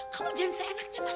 kamu jangan seenaknya mas